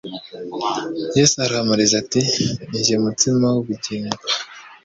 Yesu arabahamiriza ati :« Ninjye mutsima w'ubugingo. »